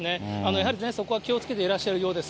やはりそこは気をつけていらっしゃるようです。